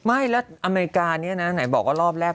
ไม่แล้วอเมริกานี้นะไหนบอกว่ารอบแรก